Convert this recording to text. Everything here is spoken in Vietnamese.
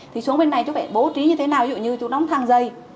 thì xuống bên này chú phải bố trí như thế nào dù như chú đóng thang dây